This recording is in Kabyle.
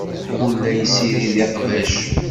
Ur la yessirid iqbac.